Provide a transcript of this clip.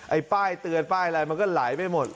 ป้ายเตือนป้ายอะไรมันก็ไหลไปหมด